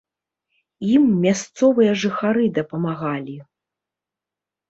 Ім мясцовыя жыхары дапамагалі.